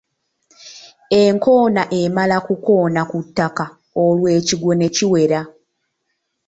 Enkoona emala kukoona ku ttaka olwo ekigwo ne kiwera.